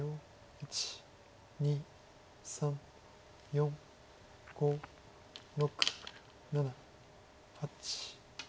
１２３４５６７８。